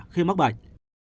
khi mắc bệnh